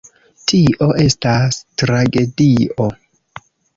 Tio estas tragedio.